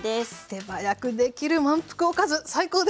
手早くできる満腹おかず最高です！